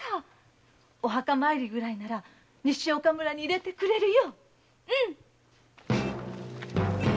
お墓参りぐらいなら西岡村に入れてくれるよ。